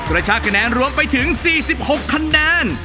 ชาคะแนนรวมไปถึง๔๖คะแนน